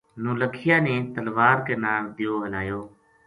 نولکھیا نے تلوار کے ناڑ دیو ہلایو